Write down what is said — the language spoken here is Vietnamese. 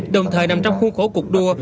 đồng thời nằm trong khuôn khổ cuộc đua